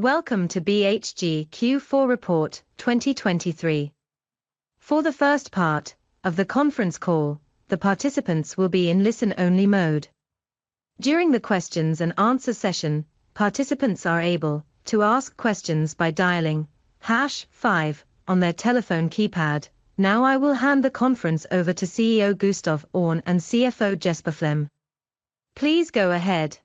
Welcome to BHG Q4 report 2023. For the first part of the conference call, the participants will be in listen-only mode. During the questions and answer session, participants are able to ask questions by dialing hash five on their telephone keypad. Now, I will hand the conference over to CEO Gustaf Öhrn and CFO Jesper Flemme. Please go ahead.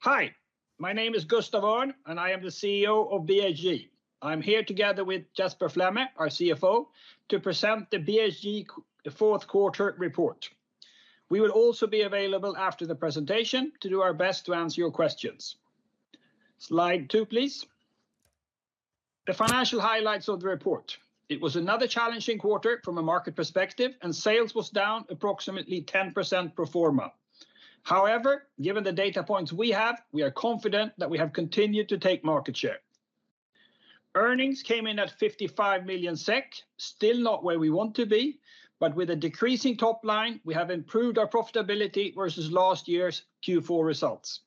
Hi, my name is Gustaf Öhrn, and I am the CEO of BHG. I'm here together with Jesper Flemme, our CFO, to present the BHG fourth quarter report. We will also be available after the presentation to do our best to answer your questions. Slide two, please. The financial highlights of the report. It was another challenging quarter from a market perspective, and sales was down approximately 10% pro forma. However, given the data points we have, we are confident that we have continued to take market share. Earnings came in at 55 million SEK, still not where we want to be, but with a decreasing top line, we have improved our profitability versus last year's Q4 results.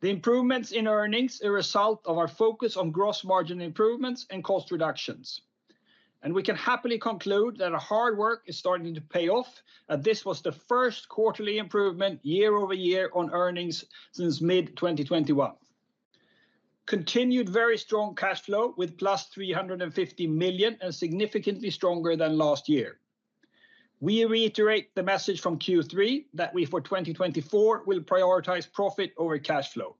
The improvements in earnings are a result of our focus on gross margin improvements and cost reductions, and we can happily conclude that our hard work is starting to pay off, as this was the first quarterly improvement year-over-year on earnings since mid-2021. Continued very strong cash flow with +350 million, and significantly stronger than last year. We reiterate the message from Q3, that we for 2024 will prioritize profit over cash flow.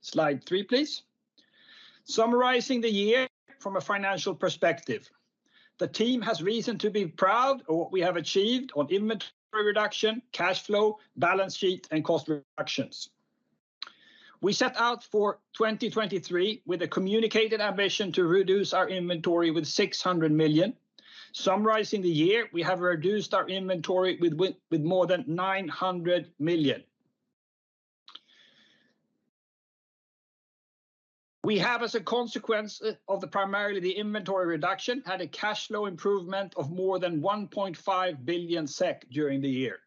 Slide three, please. Summarizing the year from a financial perspective, the team has reason to be proud of what we have achieved on inventory reduction, cash flow, balance sheet, and cost reductions. We set out for 2023 with a communicated ambition to reduce our inventory with 600 million. Summarizing the year, we have reduced our inventory with more than 900 million. We have, as a consequence of primarily the inventory reduction, had a cash flow improvement of more than 1.5 billion SEK during the year.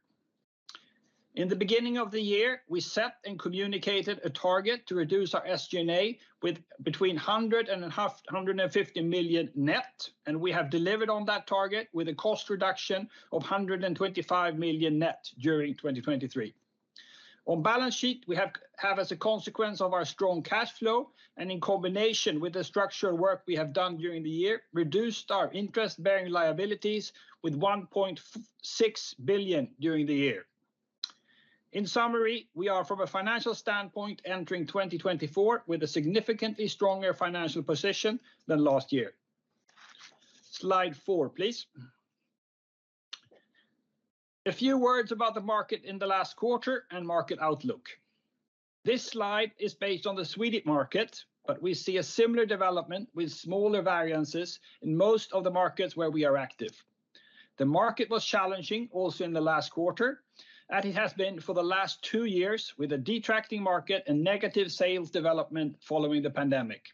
In the beginning of the year, we set and communicated a target to reduce our SG&A with between 100 million and 150 million net, and we have delivered on that target with a cost reduction of 125 million net during 2023. On balance sheet, we have as a consequence of our strong cash flow, and in combination with the structural work we have done during the year, reduced our interest-bearing liabilities with 1.6 billion during the year. In summary, we are from a financial standpoint entering 2024 with a significantly stronger financial position than last year. Slide four, please. A few words about the market in the last quarter and market outlook. This slide is based on the Swedish market, but we see a similar development with smaller variances in most of the markets where we are active. The market was challenging also in the last quarter, and it has been for the last two years with a contracting market and negative sales development following the pandemic.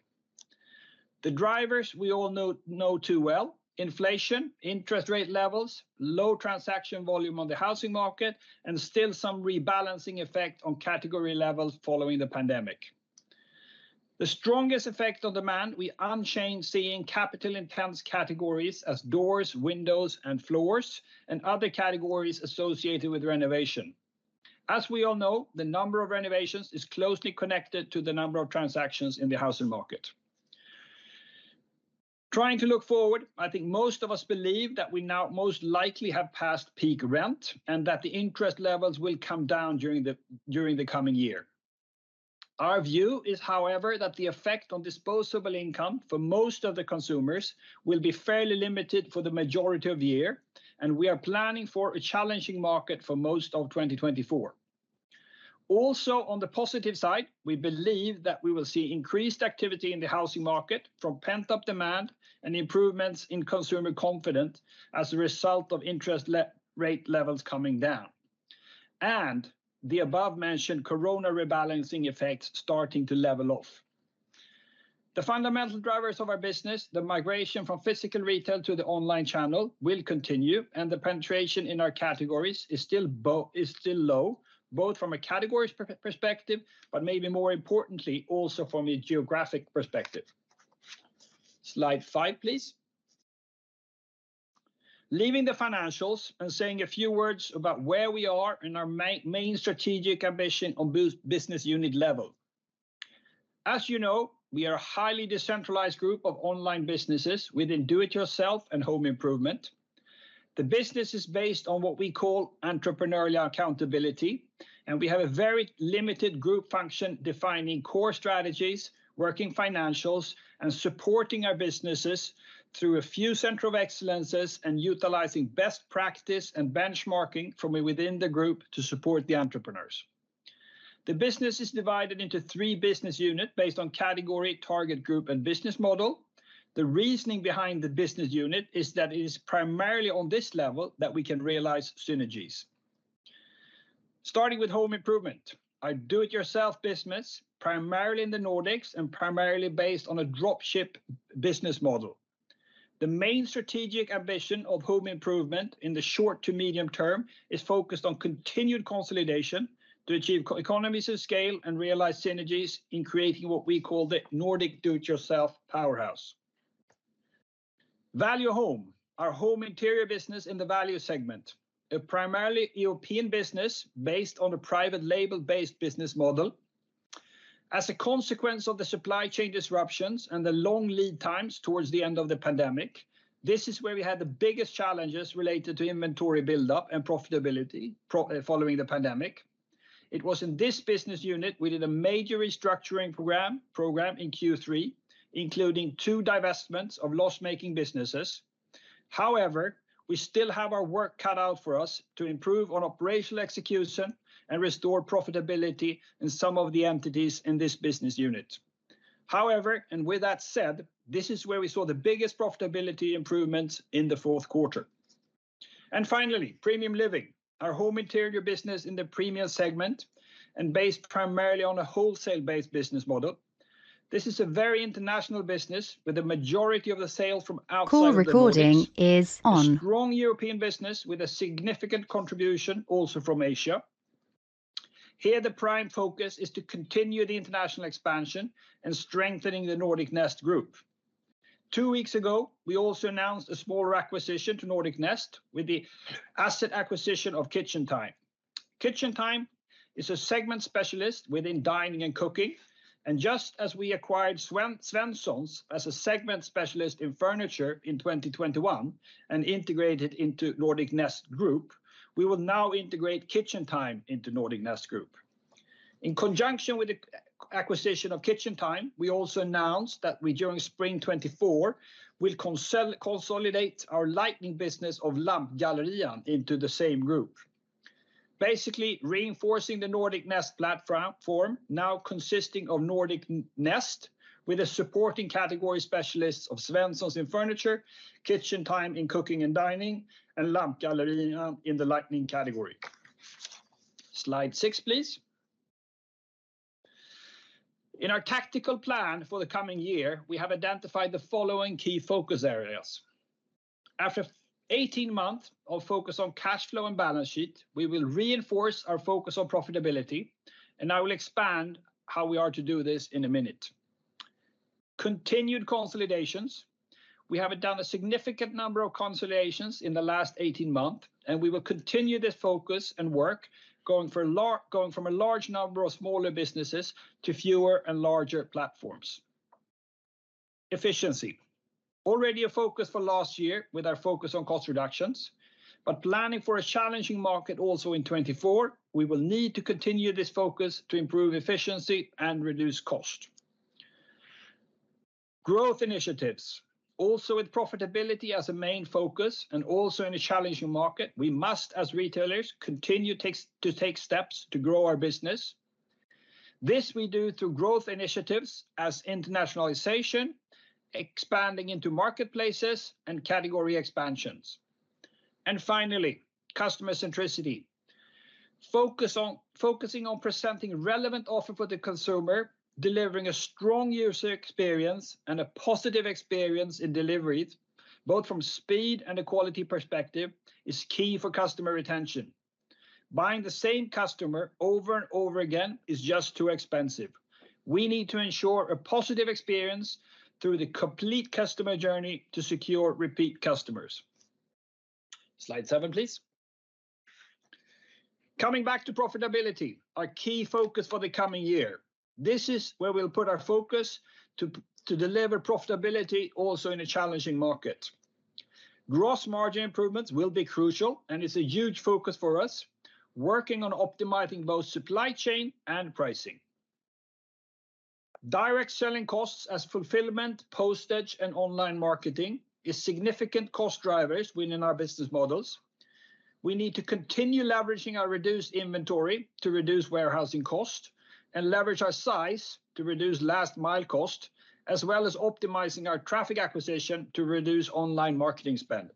The drivers we all know too well: inflation, interest rate levels, low transaction volume on the housing market, and still some rebalancing effect on category levels following the pandemic. The strongest effect on demand, we're seeing capital-intensive categories as doors, windows, and floors, and other categories associated with renovation. As we all know, the number of renovations is closely connected to the number of transactions in the housing market. Trying to look forward, I think most of us believe that we now most likely have passed peak rent, and that the interest levels will come down during the coming year. Our view is, however, that the effect on disposable income for most of the consumers will be fairly limited for the majority of the year, and we are planning for a challenging market for most of 2024. Also, on the positive side, we believe that we will see increased activity in the housing market from pent-up demand and improvements in consumer confidence as a result of interest rate levels coming down, and the above-mentioned corona rebalancing effects starting to level off. The fundamental drivers of our business, the migration from physical retail to the online channel, will continue, and the penetration in our categories is still low, both from a categories perspective, but maybe more importantly, also from a geographic perspective. Slide five, please. Leaving the financials and saying a few words about where we are in our main strategic ambition on business unit level. As you know, we are a highly decentralized group of online businesses within do-it-yourself and home improvement. The business is based on what we call entrepreneurial accountability, and we have a very limited group function, defining core strategies, working financials, and supporting our businesses through a few centers of excellence, and utilizing best practice and benchmarking from within the group to support the entrepreneurs. The business is divided into three business units based on category, target group, and business model. The reasoning behind the business units is that it is primarily on this level that we can realize synergies. Starting with Home Improvement, our do-it-yourself business, primarily in the Nordics and primarily based on a drop ship business model.... The main strategic ambition of Home Improvement in the short to medium term is focused on continued consolidation to achieve economies of scale and realize synergies in creating what we call the Nordic do-it-yourself powerhouse. Value Home, our home interior business in the value segment, a primarily European business based on a private label-based business model. As a consequence of the supply chain disruptions and the long lead times towards the end of the pandemic, this is where we had the biggest challenges related to inventory build-up and profitability problems following the pandemic. It was in this business unit, we did a major restructuring program in Q3, including two divestments of loss-making businesses. However, we still have our work cut out for us to improve on operational execution and restore profitability in some of the entities in this business unit. However, and with that said, this is where we saw the biggest profitability improvements in the fourth quarter. Finally, Premium Living, our home interior business in the premium segment, and based primarily on a wholesale-based business model. This is a very international business, with the majority of the sales from outside of the Nordics. A strong European business with a significant contribution also from Asia. Here, the prime focus is to continue the international expansion and strengthening the Nordic Nest Group. Two weeks ago, we also announced a smaller acquisition to Nordic Nest, with the asset acquisition of KitchenTime. KitchenTime is a segment specialist within dining and cooking, and just as we acquired Svenssons as a segment specialist in furniture in 2021 and integrated into Nordic Nest Group, we will now integrate KitchenTime into Nordic Nest Group. In conjunction with the acquisition of KitchenTime, we also announced that we, during spring 2024, will consolidate our lighting business of LampGallerian into the same group. Basically, reinforcing the Nordic Nest platform, now consisting of Nordic Nest, with a supporting category specialists of Svenssons in furniture, KitchenTime in cooking and dining, and LampGallerian in the lighting category. Slide six, please. In our tactical plan for the coming year, we have identified the following key focus areas. After 18 months of focus on cash flow and balance sheet, we will reinforce our focus on profitability, and I will expand how we are to do this in a minute. Continued consolidations. We have done a significant number of consolidations in the last 18 months, and we will continue this focus and work, going from a large number of smaller businesses to fewer and larger platforms. Efficiency. Already a focus for last year with our focus on cost reductions, but planning for a challenging market also in 2024, we will need to continue this focus to improve efficiency and reduce cost. Growth initiatives. Also with profitability as a main focus and also in a challenging market, we must, as retailers, continue to take steps to grow our business. This we do through growth initiatives as internationalization, expanding into marketplaces, and category expansions. Finally, customer centricity. Focus on... Focusing on presenting relevant offer for the consumer, delivering a strong user experience and a positive experience in deliveries, both from speed and a quality perspective, is key for customer retention. Buying the same customer over and over again is just too expensive. We need to ensure a positive experience through the complete customer journey to secure repeat customers. Slide seven, please. Coming back to profitability, our key focus for the coming year, this is where we'll put our focus to, to deliver profitability also in a challenging market. Gross margin improvements will be crucial, and it's a huge focus for us, working on optimizing both supply chain and pricing. Direct selling costs as fulfillment, postage, and online marketing is significant cost drivers within our business models. We need to continue leveraging our reduced inventory to reduce warehousing cost and leverage our size to reduce last mile cost, as well as optimizing our traffic acquisition to reduce online marketing spend.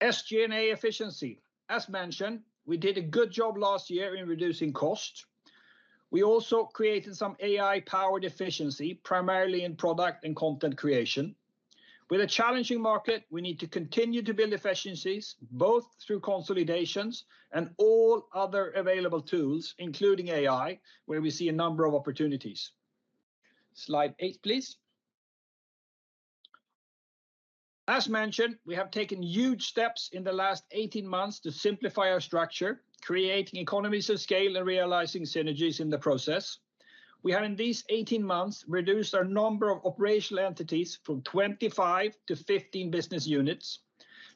SG&A efficiency. As mentioned, we did a good job last year in reducing cost. We also created some AI-powered efficiency, primarily in product and content creation. With a challenging market, we need to continue to build efficiencies, both through consolidations and all other available tools, including AI, where we see a number of opportunities. Slide eight, please. As mentioned, we have taken huge steps in the last 18 months to simplify our structure, creating economies of scale and realizing synergies in the process. We have, in these 18 months, reduced our number of operational entities from 25 to 15 business units.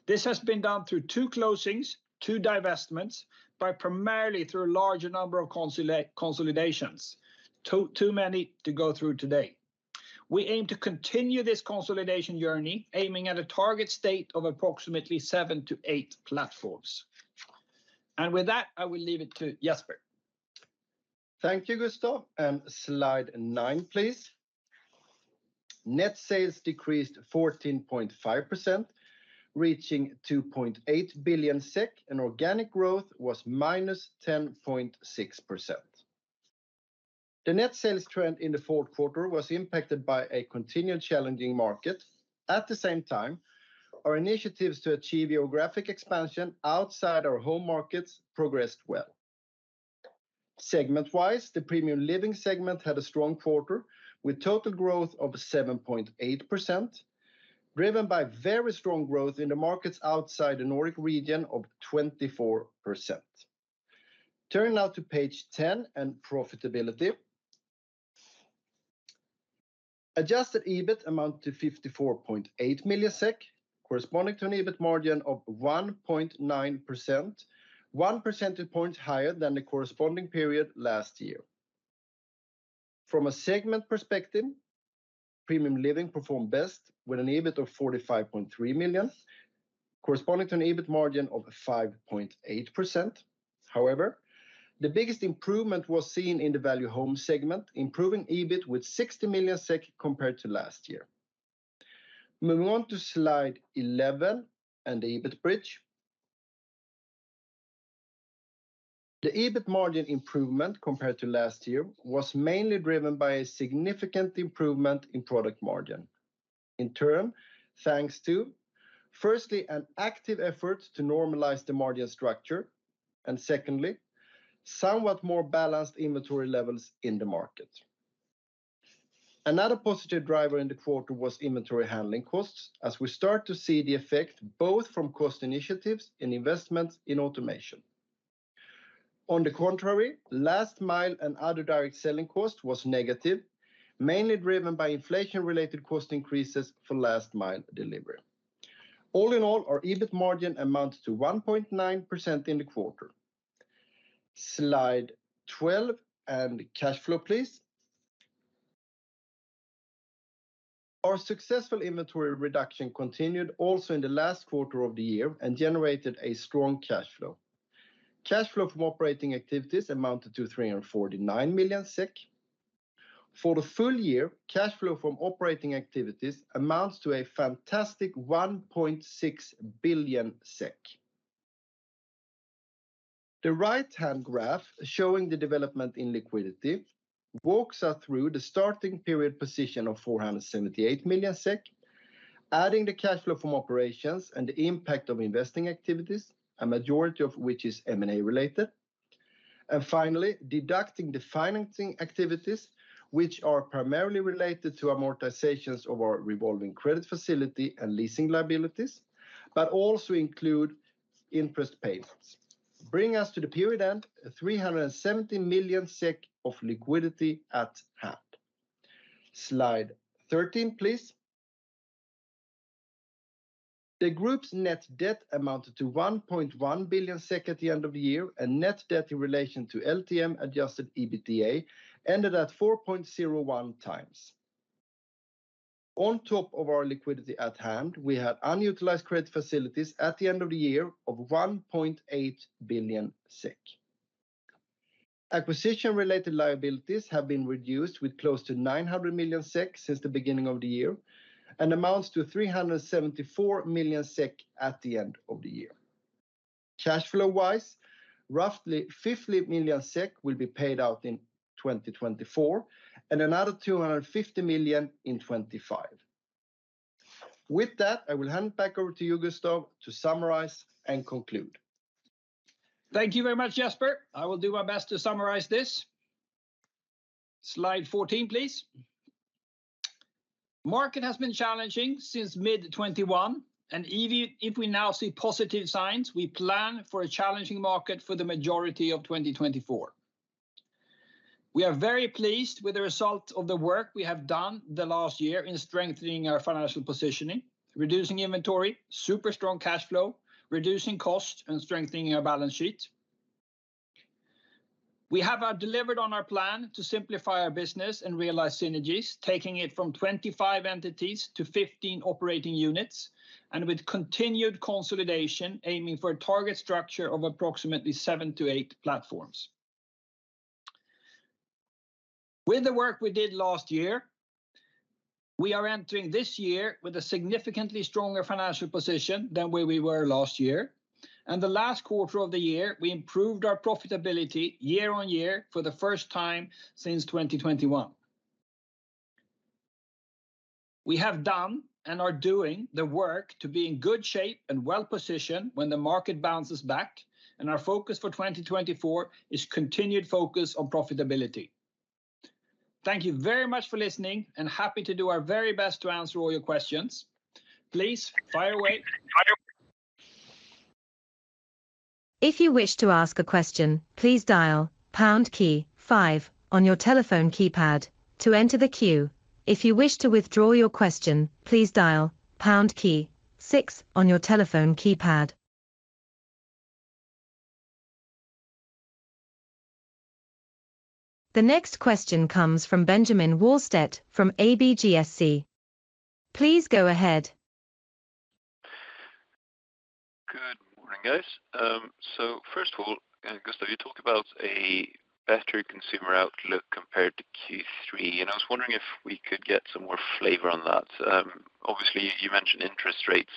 This has been done through two closings, two divestments, but primarily through a larger number of consolidations, too many to go through today. We aim to continue this consolidation journey, aiming at a target state of approximately seven to eight platforms. With that, I will leave it to Jesper. Thank you, Gustaf, and slide nine, please. Net sales decreased 14.5%, reaching 2.8 billion SEK, and organic growth was -10.6%.... The net sales trend in the fourth quarter was impacted by a continued challenging market. At the same time, our initiatives to achieve geographic expansion outside our home markets progressed well. Segment-wise, the Premium Living segment had a strong quarter, with total growth of 7.8%, driven by very strong growth in the markets outside the Nordic region of 24%. Turning now to page 10 and profitability. Adjusted EBIT amounted to 54.8 million SEK, corresponding to an EBIT margin of 1.9%, 1 percentage point higher than the corresponding period last year. From a segment perspective, Premium Living performed best with an EBIT of 45.3 million, corresponding to an EBIT margin of 5.8%. However, the biggest improvement was seen in the Value Home segment, improving EBIT with 60 million SEK compared to last year. Moving on to slide 11 and EBIT bridge. The EBIT margin improvement compared to last year was mainly driven by a significant improvement in product margin. In turn, thanks to, firstly, an active effort to normalize the margin structure, and secondly, somewhat more balanced inventory levels in the market. Another positive driver in the quarter was inventory handling costs, as we start to see the effect, both from cost initiatives and investments in automation. On the contrary, last mile and other direct selling costs was negative, mainly driven by inflation-related cost increases for last mile delivery. All in all, our EBIT margin amounts to 1.9% in the quarter. Slide 12 and cash flow, please. Our successful inventory reduction continued also in the last quarter of the year and generated a strong cash flow. Cash flow from operating activities amounted to 349 million SEK. For the full year, cash flow from operating activities amounts to a fantastic 1.6 billion SEK. The right-hand graph, showing the development in liquidity, walks us through the starting period position of 478 million SEK, adding the cash flow from operations and the impact of investing activities, a majority of which is M&A related. And finally, deducting the financing activities, which are primarily related to amortizations of our revolving credit facility and leasing liabilities, but also include interest payments, bring us to the period end, 370 million SEK of liquidity at hand. Slide 13, please. The group's net debt amounted to 1.1 billion SEK at the end of the year, and net debt in relation to LTM adjusted EBITDA ended at 4.01x. On top of our liquidity at hand, we had unutilized credit facilities at the end of the year of 1.8 billion SEK. Acquisition-related liabilities have been reduced, with close to 900 million SEK since the beginning of the year, and amounts to 374 million SEK at the end of the year. Cash flow-wise, roughly 50 million SEK will be paid out in 2024, and another 250 million in 2025. With that, I will hand back over to you, Gustaf, to summarize and conclude. Thank you very much, Jesper. I will do my best to summarize this. Slide 14, please. Market has been challenging since mid-2021, and even if we now see positive signs, we plan for a challenging market for the majority of 2024. We are very pleased with the result of the work we have done the last year in strengthening our financial positioning, reducing inventory, super strong cash flow, reducing costs, and strengthening our balance sheet. We have delivered on our plan to simplify our business and realize synergies, taking it from 25 entities to 15 operating units, and with continued consolidation, aiming for a target structure of approximately 7-8 platforms. With the work we did last year, we are entering this year with a significantly stronger financial position than where we were last year. The last quarter of the year, we improved our profitability year-on-year for the first time since 2021. We have done and are doing the work to be in good shape and well-positioned when the market bounces back, and our focus for 2024 is continued focus on profitability. Thank you very much for listening, and happy to do our very best to answer all your questions. Please fire away. If you wish to ask a question, please dial pound key five on your telephone keypad to enter the queue. If you wish to withdraw your question, please dial pound key six on your telephone keypad. The next question comes from Benjamin Wahlstedt from ABGSC. Please go ahead. Good morning, guys. So first of all, Gustaf, you talk about a better consumer outlook compared to Q3, and I was wondering if we could get some more flavor on that. Obviously, you mentioned interest rates.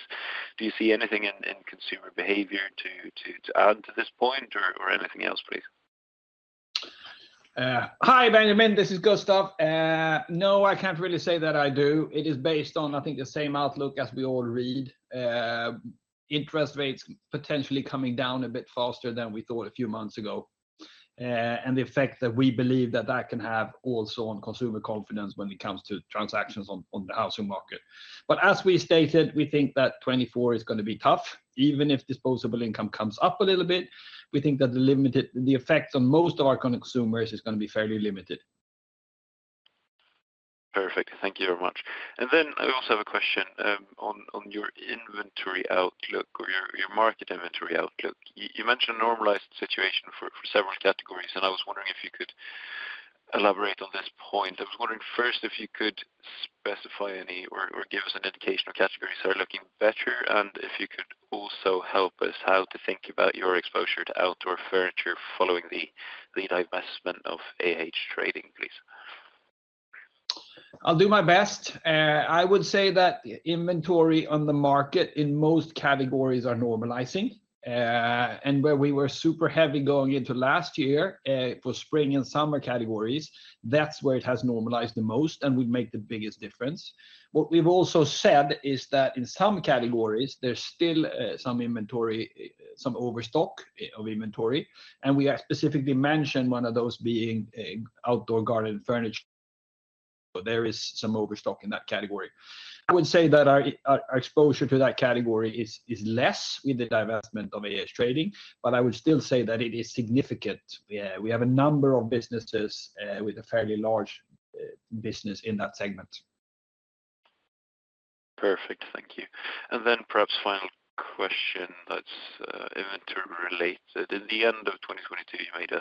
Do you see anything in consumer behavior to add to this point or anything else, please? Hi, Benjamin, this is Gustaf. No, I can't really say that I do. It is based on, I think, the same outlook as we all read. Interest rates potentially coming down a bit faster than we thought a few months ago, and the effect that we believe that that can have also on consumer confidence when it comes to transactions on, on the housing market. But as we stated, we think that 2024 is gonna be tough. Even if disposable income comes up a little bit, we think that the limited- the effects on most of our consumers is gonna be fairly limited. Perfect. Thank you very much. And then I also have a question on your inventory outlook or your market inventory outlook. You mentioned a normalized situation for several categories, and I was wondering if you could elaborate on this point. I was wondering first if you could specify any or give us an indication of categories that are looking better, and if you could also help us how to think about your exposure to outdoor furniture following the divestment of AH-Trading, please. I'll do my best. I would say that inventory on the market in most categories are normalizing. Where we were super heavy going into last year, for spring and summer categories, that's where it has normalized the most and would make the biggest difference. What we've also said is that in some categories, there's still some inventory, some overstock of inventory, and we have specifically mentioned one of those being outdoor garden furniture. So there is some overstock in that category. I would say that our exposure to that category is less with the divestment of AH-Trading, but I would still say that it is significant. We have a number of businesses with a fairly large business in that segment. Perfect. Thank you. And then perhaps final question that's inventory related. At the end of 2022, you made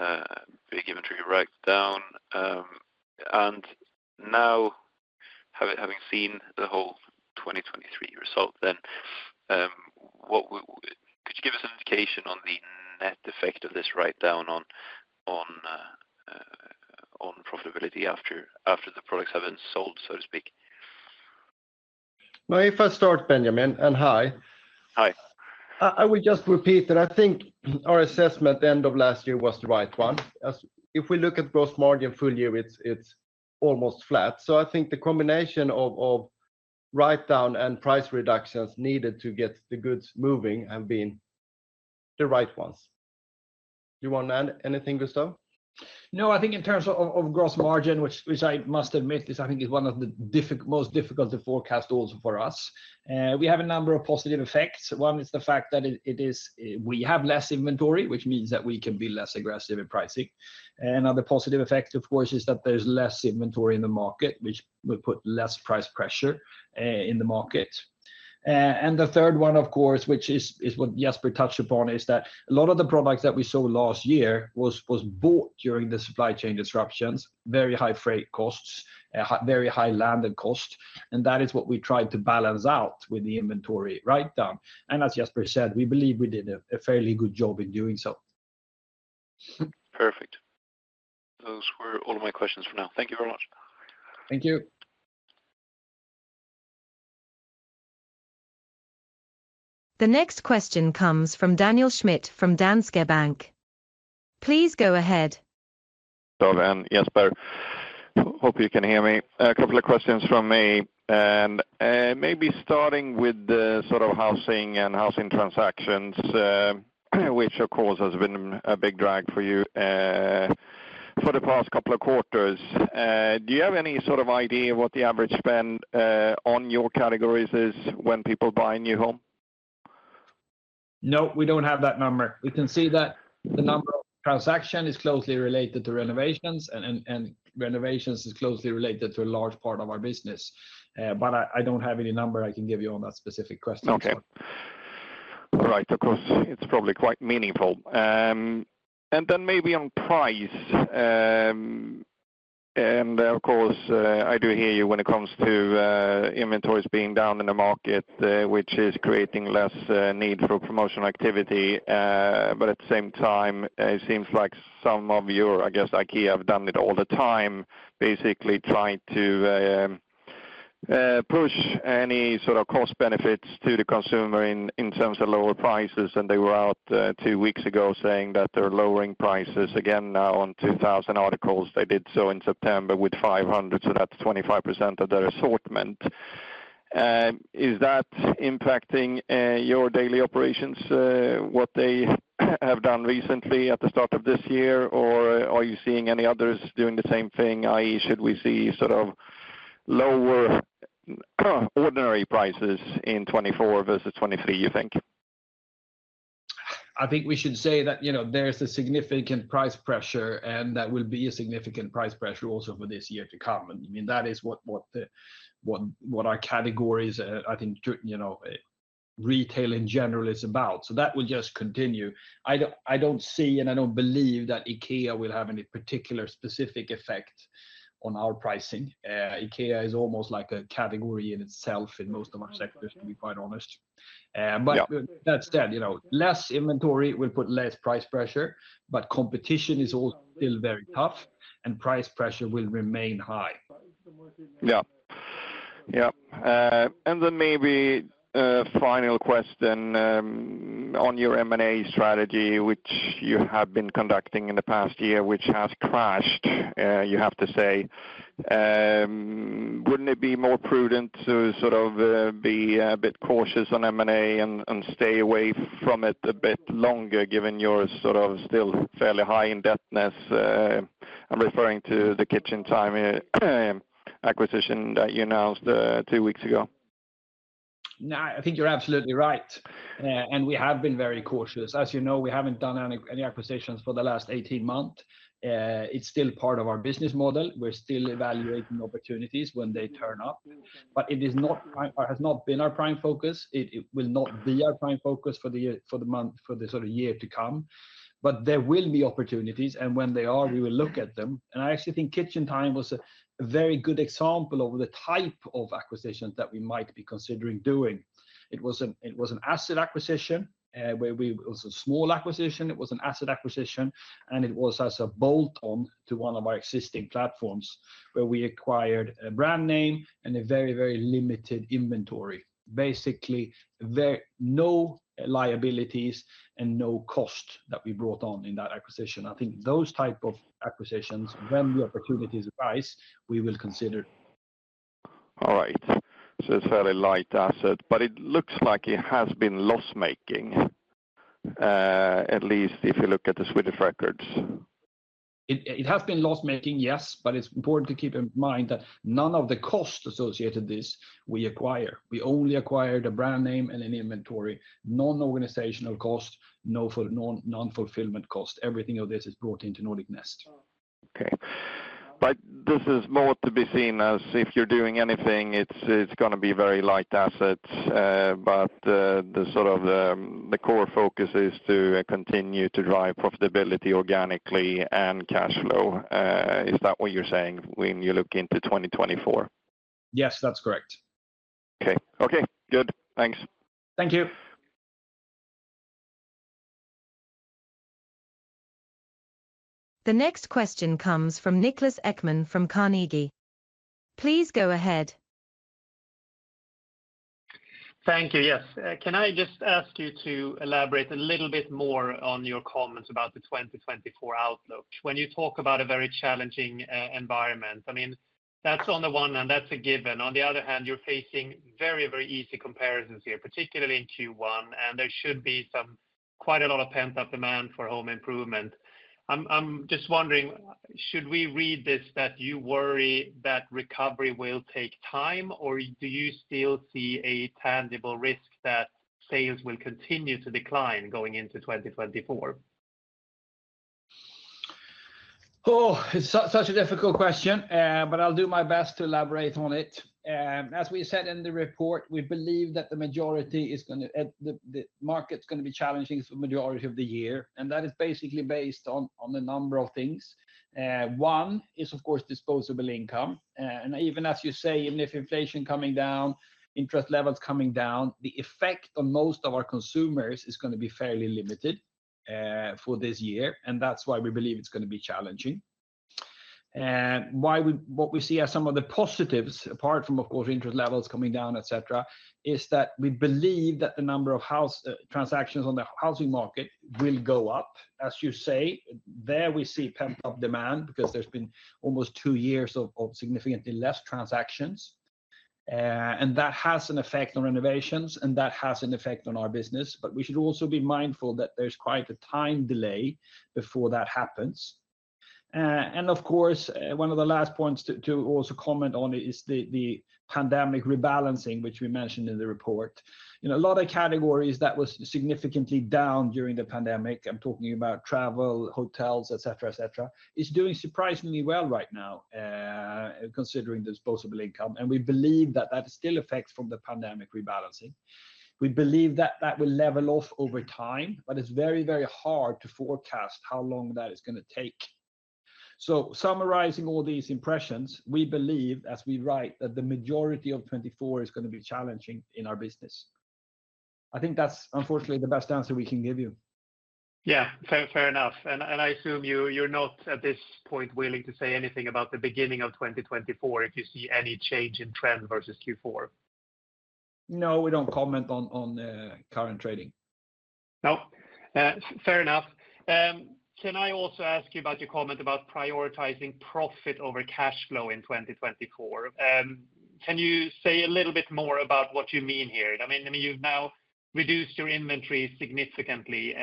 a big inventory write-down. And now, having seen the whole 2023 result, what could you give us an indication on the net effect of this write-down on profitability after the products have been sold, so to speak? No, if I start, Benjamin, and hi. Hi. I would just repeat that I think our assessment end of last year was the right one. As if we look at gross margin full year, it's almost flat. So I think the combination of write down and price reductions needed to get the goods moving have been the right ones. You want to add anything, Gustaf? No, I think in terms of gross margin, which I must admit, this I think is one of the most difficult to forecast also for us. We have a number of positive effects. One is the fact that we have less inventory, which means that we can be less aggressive in pricing. Another positive effect, of course, is that there's less inventory in the market, which will put less price pressure in the market. And the third one, of course, which is what Jesper touched upon, is that a lot of the products that we sold last year was bought during the supply chain disruptions, very high freight costs, very high landed cost, and that is what we tried to balance out with the inventory write-down. And as Jesper said, we believe we did a fairly good job in doing so. Perfect. Those were all of my questions for now. Thank you very much. Thank you. The next question comes from Daniel Schmidt, from Danske Bank. Please go ahead.... Hello, and Jesper, hope you can hear me. A couple of questions from me, and, maybe starting with the sort of housing and housing transactions, which of course has been a big drag for you, for the past couple of quarters. Do you have any sort of idea what the average spend, on your categories is when people buy a new home? No, we don't have that number. We can see that the number of transaction is closely related to renovations, and renovations is closely related to a large part of our business. But I don't have any number I can give you on that specific question. Okay. Right, of course, it's probably quite meaningful. And then maybe on price, and of course, I do hear you when it comes to, inventories being down in the market, which is creating less, need for promotional activity. But at the same time, it seems like some of you, or I guess IKEA, have done it all the time, basically trying to, push any sort of cost benefits to the consumer in, in terms of lower prices. And they were out, two weeks ago saying that they're lowering prices again now on 2,000 articles. They did so in September with 500, so that's 25% of their assortment. Is that impacting, your daily operations, what they have done recently at the start of this year? Or are you seeing any others doing the same thing? i.e., should we see sort of lower, ordinary prices in 2024 versus 2023, you think? I think we should say that, you know, there's a significant price pressure, and that will be a significant price pressure also for this year to come. I mean, that is what our categories, I think, you know, retail in general is about. So that will just continue. I don't see, and I don't believe that IKEA will have any particular specific effect on our pricing. IKEA is almost like a category in itself in most of our sectors, to be quite honest. And but that's dead, you know? Less inventory will put less price pressure, but competition is all still very tough, and price pressure will remain high. Yeah. Yeah. Then maybe a final question on your M&A strategy, which you have been conducting in the past year, which has crashed, you have to say. Wouldn't it be more prudent to sort of be a bit cautious on M&A and stay away from it a bit longer, given your sort of still fairly high indebtedness? I'm referring to the KitchenTime acquisition that you announced two weeks ago. No, I think you're absolutely right, and we have been very cautious. As you know, we haven't done any acquisitions for the last 18 months. It's still part of our business model. We're still evaluating opportunities when they turn up. But it is not our, or has not been our prime focus. It will not be our prime focus for the sort of year to come. But there will be opportunities, and when they are, we will look at them. And I actually think KitchenTime was a very good example of the type of acquisitions that we might be considering doing. It was an asset acquisition, where we... It was a small acquisition, it was an asset acquisition, and it was as a bolt-on to one of our existing platforms, where we acquired a brand name and a very, very limited inventory. Basically, no liabilities and no cost that we brought on in that acquisition. I think those type of acquisitions, when the opportunities arise, we will consider. All right, so it's a fairly light asset, but it looks like it has been loss-making, at least if you look at the Swedish records. It has been loss-making, yes, but it's important to keep in mind that none of the costs associated with this acquisition. We only acquired a brand name and an inventory, no organizational cost, no fulfillment cost, no non-fulfillment cost. Everything of this is brought into Nordic Nest. Okay. But this is more to be seen as if you're doing anything, it's gonna be very light assets, but the sort of core focus is to continue to drive profitability organically and cash flow. Is that what you're saying when you look into 2024? Yes, that's correct. Okay. Okay, good. Thanks. Thank you. The next question comes from Niklas Ekman from Carnegie. Please go ahead. Thank you. Yes. Can I just ask you to elaborate a little bit more on your comments about the 2024 outlook? When you talk about a very challenging environment, I mean, that's on the one hand, that's a given. On the other hand, you're facing very, very easy comparisons here, particularly in Q1, and there should be some quite a lot of pent-up demand for home improvement. I'm just wondering, should we read this that you worry that recovery will take time, or do you still see a tangible risk that sales will continue to decline going into 2024? Oh! It's such a difficult question, but I'll do my best to elaborate on it. As we said in the report, we believe that the market's gonna be challenging for majority of the year, and that is basically based on a number of things. One is, of course, disposable income. And even as you say, even if inflation coming down, interest levels coming down, the effect on most of our consumers is gonna be fairly limited for this year, and that's why we believe it's gonna be challenging. What we see as some of the positives, apart from, of course, interest levels coming down, et cetera, is that we believe that the number of house transactions on the housing market will go up, as you say. There, we see pent-up demand because there's been almost two years of significantly less transactions. And that has an effect on renovations, and that has an effect on our business, but we should also be mindful that there's quite a time delay before that happens. And of course, one of the last points to also comment on is the pandemic rebalancing, which we mentioned in the report. In a lot of categories, that was significantly down during the pandemic. I'm talking about travel, hotels, et cetera, et cetera, is doing surprisingly well right now, considering disposable income, and we believe that that still affects from the pandemic rebalancing. We believe that that will level off over time, but it's very, very hard to forecast how long that is gonna take. So summarizing all these impressions, we believe, as we write, that the majority of 2024 is gonna be challenging in our business. I think that's unfortunately the best answer we can give you. Yeah, fair, fair enough. And I assume you're not, at this point, willing to say anything about the beginning of 2024, if you see any change in trend versus Q4? No, we don't comment on current trading. No, fair enough. Can I also ask you about your comment about prioritizing profit over cash flow in 2024? Can you say a little bit more about what you mean here? I mean, I mean, you've now reduced your inventory significantly.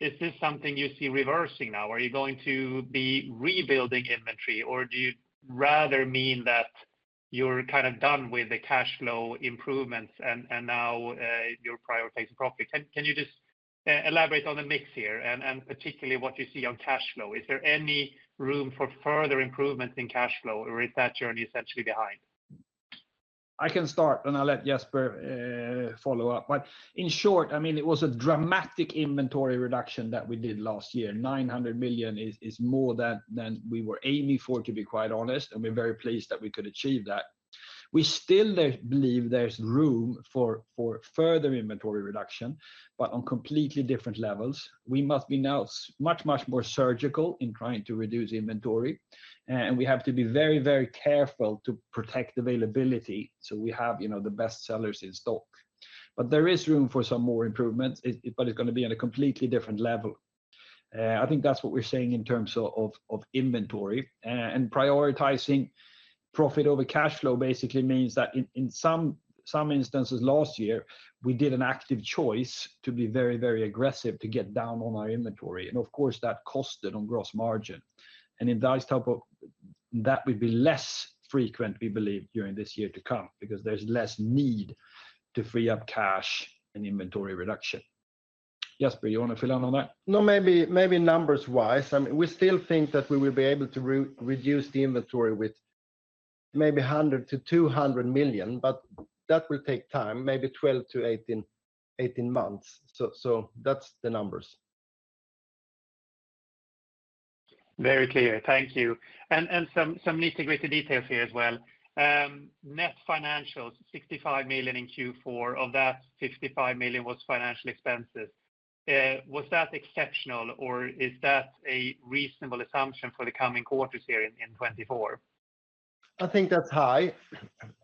Is this something you see reversing now? Are you going to be rebuilding inventory, or do you rather mean that you're kind of done with the cash flow improvements and now, you're prioritizing profit? Can you just elaborate on the mix here and particularly what you see on cash flow? Is there any room for further improvement in cash flow, or is that journey essentially behind? I can start, and I'll let Jesper follow up. But in short, I mean, it was a dramatic inventory reduction that we did last year. 900 million is more than we were aiming for, to be quite honest, and we're very pleased that we could achieve that. We still believe there's room for further inventory reduction, but on completely different levels. We must be now much, much more surgical in trying to reduce inventory, and we have to be very, very careful to protect availability, so we have, you know, the best sellers in stock. But there is room for some more improvements, but it's gonna be on a completely different level. I think that's what we're saying in terms of inventory. Prioritizing profit over cash flow basically means that in some instances last year, we did an active choice to be very, very aggressive to get down on our inventory, and of course, that costed on gross margin. In this top-up, that would be less frequent, we believe, during this year to come, because there's less need to free up cash and inventory reduction. Jesper, you want to fill in on that? No, maybe, maybe numbers-wise, I mean, we still think that we will be able to reduce the inventory with maybe 100 million-200 million, but that will take time, maybe 12 to 18, 18 months. So, so that's the numbers. Very clear. Thank you. Some nitty-gritty details here as well. Net financials, 65 million in Q4. Of that, 55 million was financial expenses. Was that exceptional, or is that a reasonable assumption for the coming quarters here in 2024? I think that's high.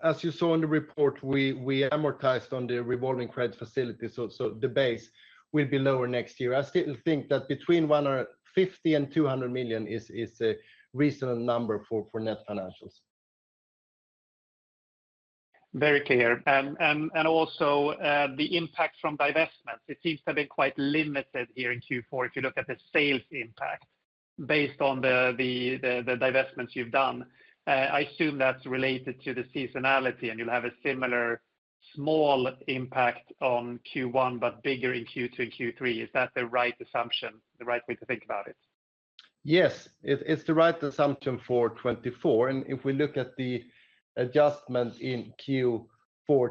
As you saw in the report, we amortized on the revolving credit facility, so the base will be lower next year. I still think that between 150 million and 200 million is a reasonable number for net financials. Very clear. And also, the impact from divestments, it seems to be quite limited here in Q4. If you look at the sales impact, based on the divestments you've done, I assume that's related to the seasonality, and you'll have a similar small impact on Q1, but bigger in Q2 and Q3. Is that the right assumption, the right way to think about it? Yes, it's the right assumption for 2024. And if we look at the adjustment in Q4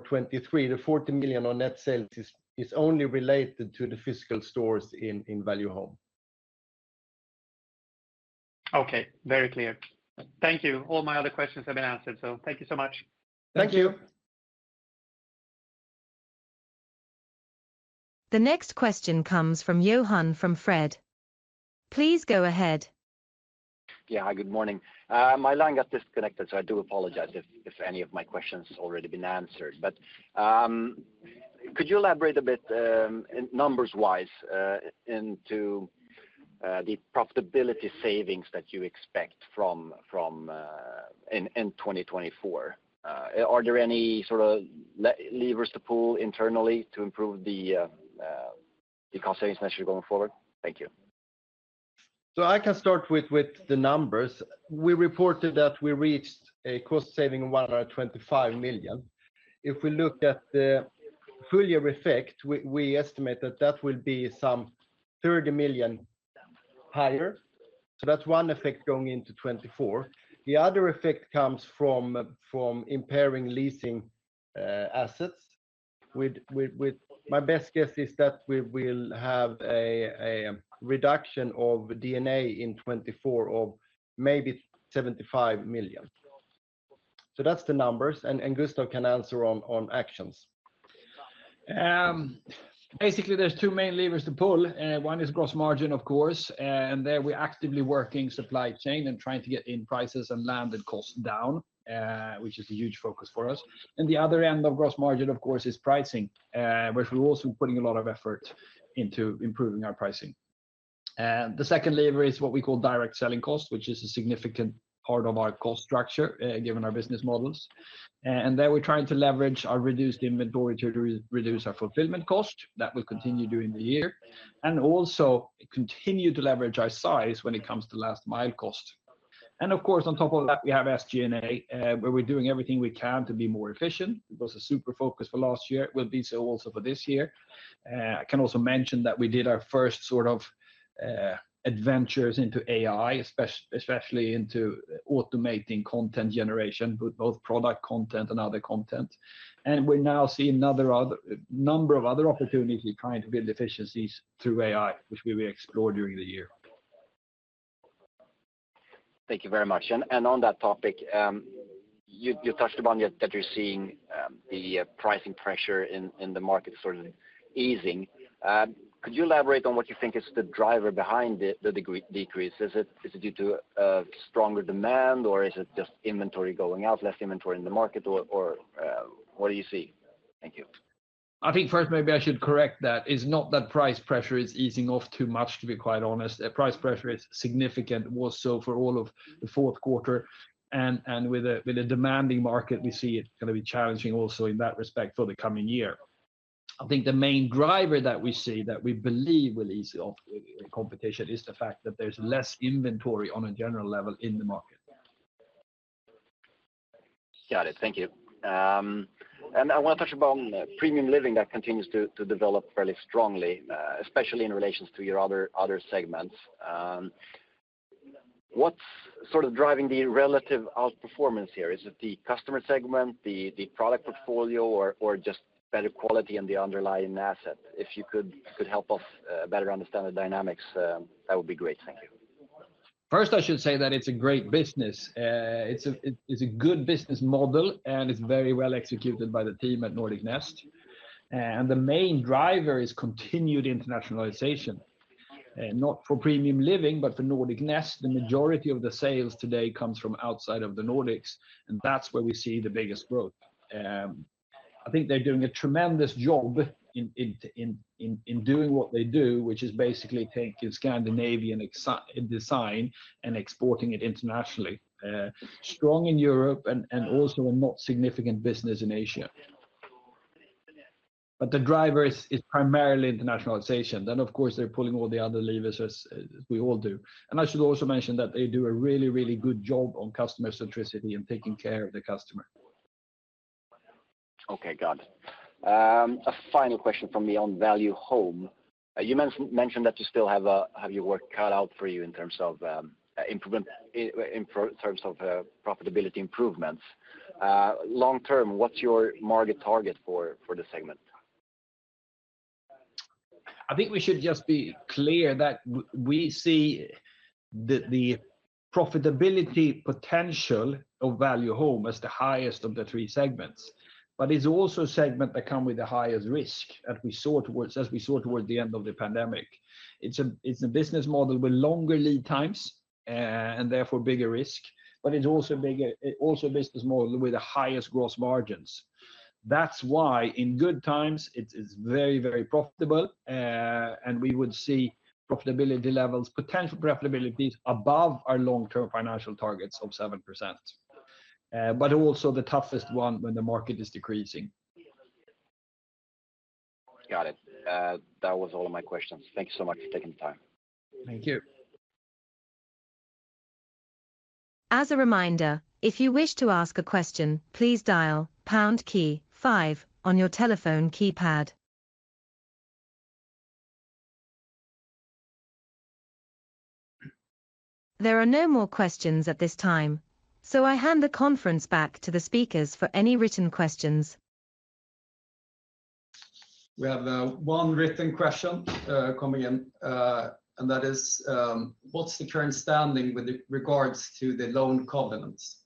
2023, the 40 million on net sales is only related to the physical stores in Value Home. Okay, very clear. Thank you. All my other questions have been answered, so thank you so much. Thank you. The next question comes from Johan Fred. Please go ahead. Yeah. Hi, good morning. My line got disconnected, so I do apologize if any of my questions already been answered. But, could you elaborate a bit, numbers-wise, into the profitability savings that you expect from, in 2024? Are there any sort of levers to pull internally to improve the cost savings measure going forward? Thank you. So I can start with the numbers. We reported that we reached a cost saving of 125 million. If we look at the full year effect, we estimate that that will be some 30 million higher. So that's one effect going into 2024. The other effect comes from impairing leasing assets. My best guess is that we will have a reduction of D&A in 2024 of maybe 75 million. So that's the numbers, and Gustaf can answer on actions. Basically, there's two main levers to pull, one is gross margin, of course, and there we're actively working supply chain and trying to get in prices and landed costs down, which is a huge focus for us. And the other end of gross margin, of course, is pricing, which we're also putting a lot of effort into improving our pricing. The second lever is what we call direct selling cost, which is a significant part of our cost structure, given our business models. And there, we're trying to leverage our reduced inventory to reduce our fulfillment cost. That will continue during the year, and also continue to leverage our size when it comes to last mile cost. And of course, on top of that, we have SG&A, where we're doing everything we can to be more efficient. It was a super focus for last year, will be so also for this year. I can also mention that we did our first sort of adventures into AI, especially into automating content generation, with both product content and other content. And we're now seeing a number of other opportunities trying to build efficiencies through AI, which we will explore during the year. Thank you very much. On that topic, you touched upon that you're seeing the pricing pressure in the market sort of easing. Could you elaborate on what you think is the driver behind the decrease? Is it due to a stronger demand, or is it just inventory going out, less inventory in the market, or what do you see? Thank you. I think first, maybe I should correct that. It's not that price pressure is easing off too much, to be quite honest. The price pressure is significant, was so for all of the fourth quarter, and with a demanding market, we see it's gonna be challenging also in that respect for the coming year. I think the main driver that we see that we believe will ease off competition is the fact that there's less inventory on a general level in the market. Got it. Thank you. I want to touch upon Premium Living that continues to develop fairly strongly, especially in relations to your other segments. What's sort of driving the relative outperformance here? Is it the customer segment, the product portfolio, or just better quality in the underlying asset? If you could help us better understand the dynamics, that would be great. Thank you.... First, I should say that it's a great business. It's a good business model, and it's very well executed by the team at Nordic Nest. And the main driver is continued internationalization. Not for Premium Living, but for Nordic Nest, the majority of the sales today comes from outside of the Nordics, and that's where we see the biggest growth. I think they're doing a tremendous job doing what they do, which is basically taking Scandinavian exquisite design and exporting it internationally. Strong in Europe and also a not significant business in Asia. But the driver is primarily internationalization. Then, of course, they're pulling all the other levers, as we all do. And I should also mention that they do a really, really good job on customer centricity and taking care of the customer. Okay. Got it. A final question from me on Value Home. You mentioned that you still have your work cut out for you in terms of improvement in terms of profitability improvements. Long term, what's your market target for the segment? I think we should just be clear that we see the profitability potential of Value Home as the highest of the three segments, but it's also a segment that come with the highest risk, as we saw toward the end of the pandemic. It's a business model with longer lead times, and therefore bigger risk, but it's also bigger. It also a business model with the highest gross margins. That's why, in good times, it's very, very profitable, and we would see profitability levels, potential profitabilities above our long-term financial targets of 7%. But also the toughest one when the market is decreasing. Got it. That was all of my questions. Thank you so much for taking the time. Thank you. As a reminder, if you wish to ask a question, please dial pound key five on your telephone keypad. There are no more questions at this time, so I hand the conference back to the speakers for any written questions. We have one written question coming in, and that is: "What's the current standing with regards to the loan covenants?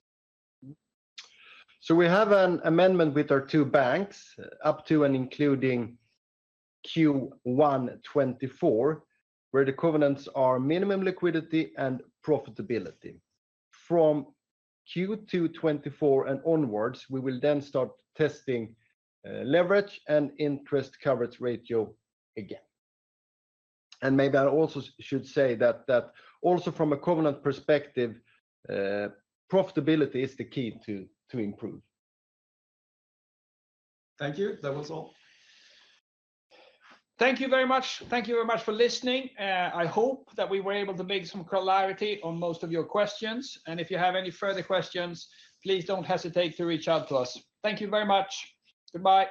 So we have an amendment with our two banks up to and including Q1 2024, where the covenants are minimum liquidity and profitability. From Q2 2024 and onwards, we will then start testing leverage and interest coverage ratio again. And maybe I also should say that, that also from a covenant perspective, profitability is the key to improve. Thank you. That was all. Thank you very much. Thank you very much for listening. I hope that we were able to make some clarity on most of your questions, and if you have any further questions, please don't hesitate to reach out to us. Thank you very much. Goodbye.